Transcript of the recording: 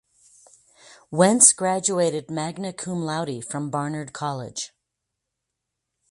Wentz graduated "magna cum laude" from Barnard College.